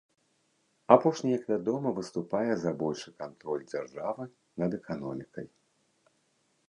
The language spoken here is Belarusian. Апошні, як вядома, выступае за большы кантроль дзяржавы над эканомікай.